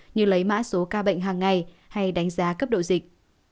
như lấy mã số ca bệnh hàng ngày hay đánh giá cấp độ dịch